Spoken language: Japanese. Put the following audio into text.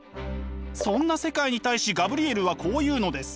そんな世界に対しガブリエルはこう言うのです。